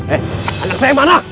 eh ada apa yang mana